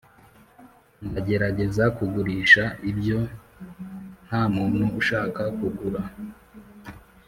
ndagerageza kugurisha ibyo ntamuntu ushaka kugura;